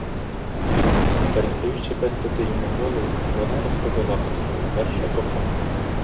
І, не перестаючи пестити йому голову, вона розповіла про своє перше кохання.